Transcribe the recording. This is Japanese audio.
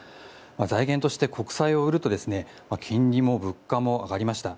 財源として国債を売ると金利も物価も上がりました。